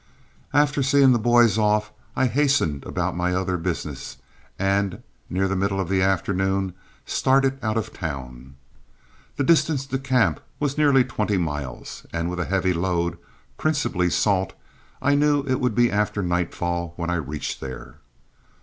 After seeing the boys off I hastened about my other business, and near the middle of the afternoon started out of town. The distance to camp was nearly twenty miles, and with a heavy load, principally salt, I knew it would be after nightfall when I reached there.